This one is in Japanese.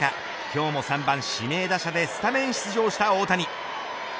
今日も３番指名打者でスタメン出場した大谷。